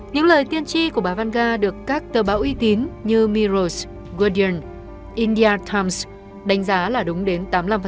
những lời tiên tri của bà văn gà được các tờ báo uy tín như mirror guardian india times đánh giá là đúng đến tám mươi năm